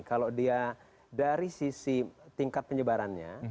kalau dia dari sisi tingkat penyebarannya